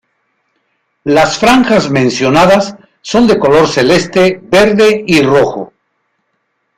Las franjas mencionadas son de color celeste, verde y rojo.